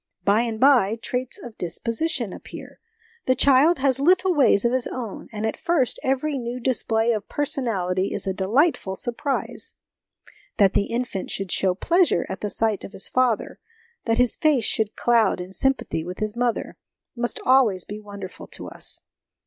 By and by, traits of disposition appear, the child has little ways of his own ; and, at first, every new display of person ality is a delightful surprise. That the infant should show pleasure at the sight of his father, that his face should cloud in sympathy with his mother, must always be wonderful to us.